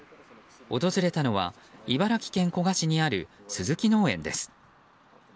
訪れたのは茨城県古河市にある鈴木農園です。